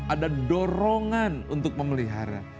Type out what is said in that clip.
ada dorongan untuk memelihara